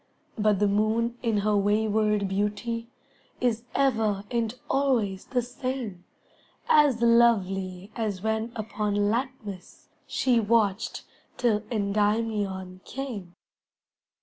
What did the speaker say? But the moon in her wayward beauty Is ever and always the same, As lovely as when upon Latmos She watched till Endymion came.